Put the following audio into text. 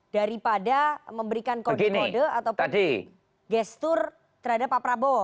daripada memberikan kode kode ataupun gestur terhadap pak prabowo